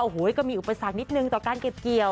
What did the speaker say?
โอ้โหก็มีอุปสรรคนิดนึงต่อการเก็บเกี่ยว